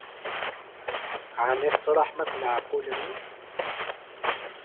Ɛni tesṛuḥem akk leɛqul-nwen?